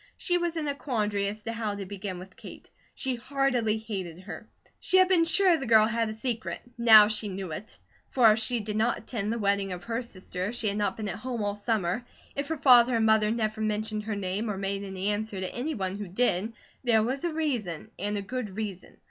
She was in a quandary as to how to begin with Kate. She heartily hated her. She had been sure the girl had a secret, now she knew it; for if she did not attend the wedding of her sister, if she had not been at home all summer, if her father and mother never mentioned her name or made any answer to any one who did, there was a reason, and a good reason.